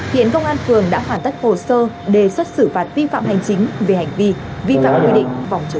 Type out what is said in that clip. hiện công an phường đã hoàn tất hồ sơ đề xuất xử phạt vi phạm hành chính về hành vi vi phạm quy định phòng chống